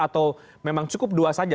atau memang cukup dua saja